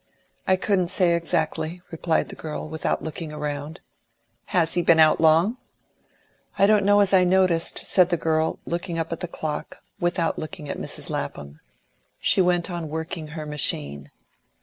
"I couldn't say exactly," replied the girl, without looking round. "Has he been out long?" "I don't know as I noticed," said the girl, looking up at the clock, without looking at Mrs. Lapham. She went on working her machine.